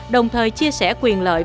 đồng thời chia sẻ quyền lợi